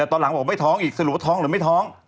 ตอนหลังบอกไม่ท้องอีกสรุปว่าท้องหรือไม่ท้อง